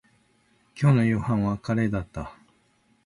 今日の夕飯はカレーだった